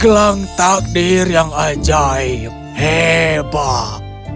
gelang takdir yang ajaib hebat